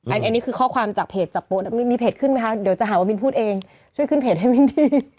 อันนี้คือข้อความจากเพจจากโพสต์มีเพจขึ้นไหมคะเดี๋ยวจะหาว่ามินพูดเองช่วยขึ้นเพจให้มินดี